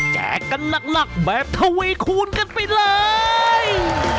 แจกกันหลักแบบทวีคูณกันไปเลย